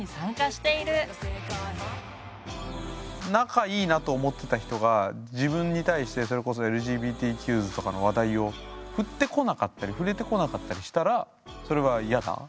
仲いいなと思ってた人が自分に対してそれこそＬＧＢＴＱｓとかの話題を振ってこなかったり触れてこなかったりしたらそれはやだ？